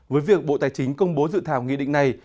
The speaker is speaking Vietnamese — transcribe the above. với việc bộ tài chính công bố dự thảo nghị định này